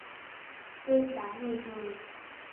Tươi sáng ngời ngời